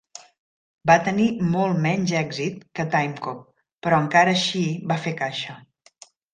Va tenir molt menys èxit que "Timecop", però encara així va fer caixa.